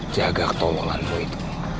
jaga ketololanmu itu